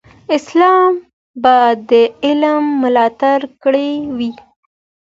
اسلام به د علم ملاتړ کړی وي.